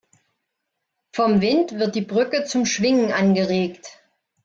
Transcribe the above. Vom Wind wird die Brücke zum Schwingen angeregt.